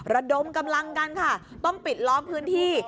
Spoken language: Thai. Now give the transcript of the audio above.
ระดมกำลังกันค่ะต้องปิดล้อมพื้นที่